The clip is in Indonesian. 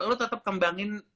lo tetep kembangin